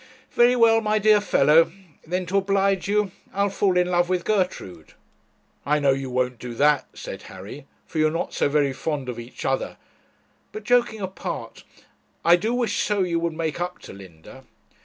'Very well, my dear fellow; then to oblige you, I'll fall in love with Gertrude.' 'I know you won't do that,' said Harry, 'for you are not so very fond of each other; but, joking apart, I do wish so you would make up to Linda.'